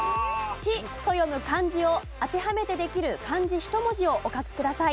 「シ」と読む漢字を当てはめてできる漢字１文字をお書きください。